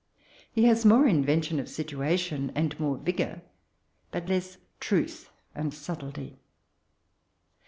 He has more in i vention of situation and more vii^onr, but less truth and subtlety.